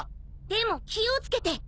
でも気を付けて。